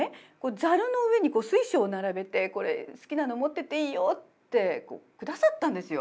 ザルの上に水晶を並べて「これ好きなの持ってっていいよ」ってくださったんですよ。